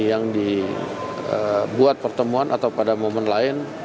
yang dibuat pertemuan atau pada momen lain